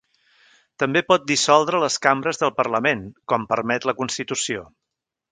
També pot dissoldre les cambres del Parlament, com permet la Constitució.